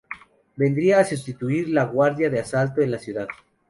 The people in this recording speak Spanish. Vendría a sustituir a la Guardia de Asalto en la ciudad.